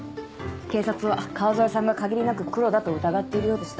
警察は川添さんが限りなく黒だと疑っているようでした。